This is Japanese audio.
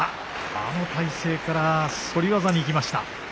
あの体勢から反り技にいきました。